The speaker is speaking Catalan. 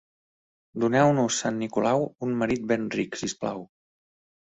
Doneu-nos, sant Nicolau, un marit ben ric, si us plau.